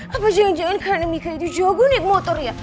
apa jangan jangan karena mika itu jago naik motor ya